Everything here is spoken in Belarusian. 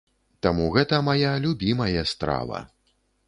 Таму гэта мая любімае страва.